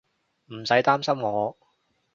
唔使擔心我